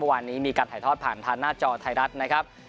วันนี้มีการถ่ายทอดผ่านทางหน้าจอไทยรัฐนะครับ